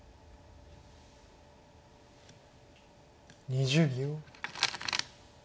２０秒。